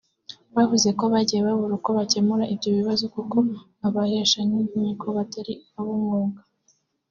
Bavuze ko bagiye babura uko bakemura ibyo bibazo kuko abahesha b’inkiko batari ab’umwuga